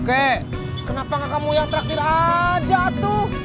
kenapa gak kamu ya traktir aja tuh